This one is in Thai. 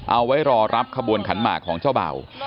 เอาไว้รอรับขบวนขันหมากของเจ้าเบ่า